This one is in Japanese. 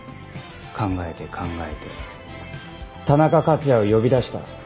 考えて考えて田中克也を呼び出した。